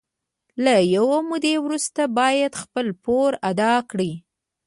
له یوې مودې وروسته باید خپل پور ادا کړي